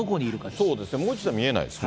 そうですね、もう１台見えないですね。